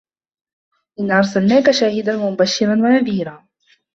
إِنّا أَرسَلناكَ شاهِدًا وَمُبَشِّرًا وَنَذيرًا